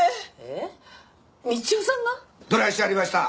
どないしはりました？